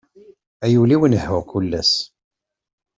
Ay ul-iw nehhuɣ kul ass.